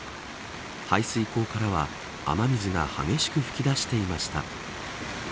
排水溝からは雨水が激しく噴き出していました。